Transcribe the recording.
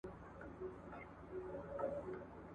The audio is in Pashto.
انسان د هوا اغېز مني.